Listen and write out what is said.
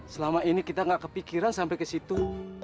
selama ini kita tidak berpikiran sampai ke sana